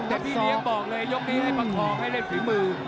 แต่พี่เลี้ยงบอกเลยยกนี้ให้ประคองให้เล่นฝีมือ